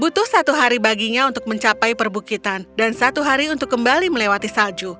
butuh satu hari baginya untuk mencapai perbukitan dan satu hari untuk kembali melewati salju